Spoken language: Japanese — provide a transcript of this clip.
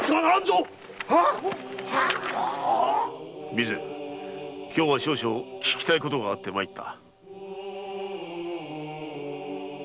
備前今日は少々訊きたいことがあって参った。